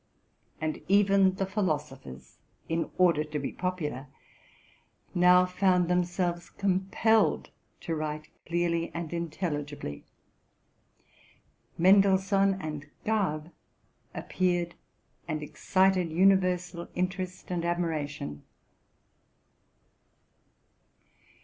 And even the philosophers, in order to be popular, now found themselves compelled to.write clearly and intelligibly. Men delssohn and Garve appeared, and excited universal interest and admiration.